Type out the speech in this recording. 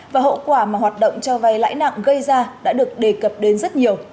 và hậu quả mà hoạt động cho vay lãi nặng gây ra đã được đề cập đến rất nhiều